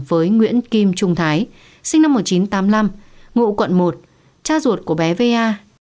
với nguyễn kim trung thái sinh năm một nghìn chín trăm tám mươi năm ngụ quận một cha ruột của bé va